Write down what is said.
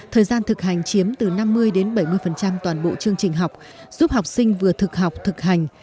thời gian thực hành chiếm từ năm mươi đến bảy mươi toàn bộ chương trình học giúp học sinh vừa thực học thực hành